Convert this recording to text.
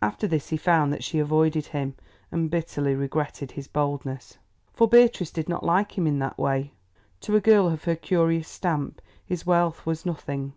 After this he found that she avoided him, and bitterly regretted his boldness. For Beatrice did not like him in that way. To a girl of her curious stamp his wealth was nothing.